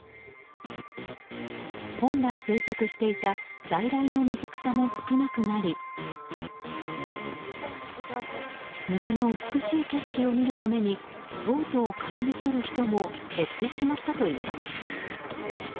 本来生息していた在来の水草も少なくなり沼の美しい景色を見るためにボートを借りに来る人も減ってしまったといいます。